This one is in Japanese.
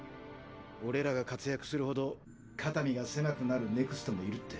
俺らが活躍するほど肩身が狭くなるＮＥＸＴもいるって。